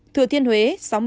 thừa thiên huế sáu mươi ba